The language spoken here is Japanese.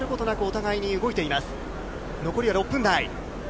残りは６分台。